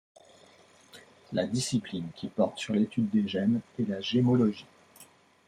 La discipline qui porte sur l'étude des gemmes est la gemmologie.